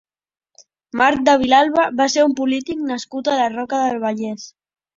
Marc de Vilalba va ser un polític nascut a la Roca del Vallès.